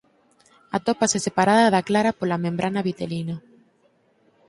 Atópase separada da clara pola membrana vitelina.